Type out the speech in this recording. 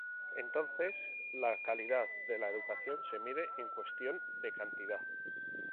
Entonces, la calidad de la educación se mide en cuestión de cantidad.